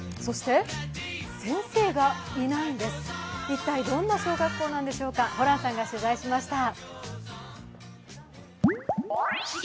一体、どんな小学校なんでしょうか、ホランさんが取材しました。